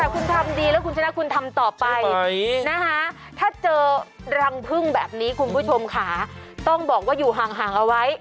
แต่คุณทำดีแล้วคุณชนะคุณทำต่อไปนะคะถ้าเจอรังพึ่งแบบนี้คุณผู้ชมค่ะต้องบอกว่าอยู่ห่างเอาไว้